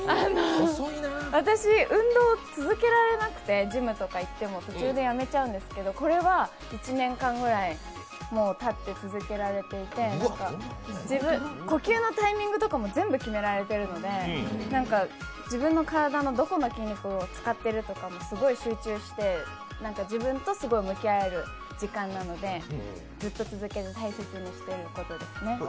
私、運動を続けられなくて、ジムとか行っても途中でやめちゃうんですけど、これは１年間ぐらい続けられていて、呼吸のタイミングとかも全部決められているので自分の体のどこの筋肉を使ってるとかも、すごい集中して自分とすごい向き合える時間なのでずっと続けて、大切にしてることですね。